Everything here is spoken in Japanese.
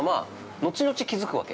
後々気づくわけ。